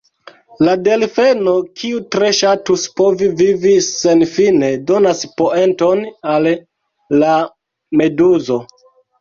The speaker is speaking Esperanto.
La delfeno, kiu tre ŝatus povi vivi senfine, donas poenton al la meduzo.